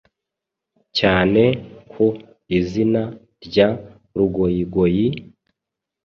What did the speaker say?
cyane ku izina rya Rugoyigoyi,